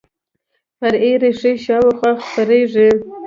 فرعي ریښې شاوخوا خپریږي